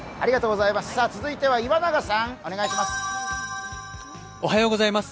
続いては岩永さん、お願いします。